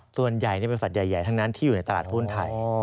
ส่วนใหญ่เป็นสัตว์ใหญ่ทั้งนั้นที่อยู่ในตลาดหุ้นไทย